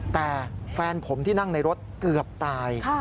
แต่แฟนผมที่นั่งในรถเกือบตาย